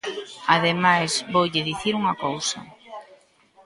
Ademais, voulle dicir unha cousa.